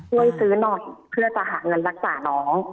ช่วยซื้อหน่อยเพื่อจะหาเงินรักษาน้อง